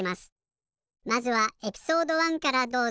まずはエピソード１からどうぞ。